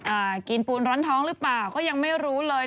กินปูนร้อนท้องหรือเปล่าก็ยังไม่รู้เลย